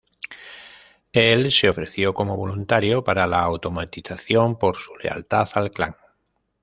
Él se ofreció como voluntario para la automatización por su lealtad al Clan.